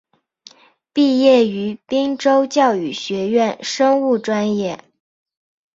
毕业于滨州教育学院生物专业。